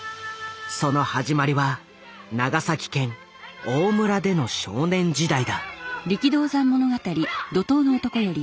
その始まりは長崎県大村での少年時代だ。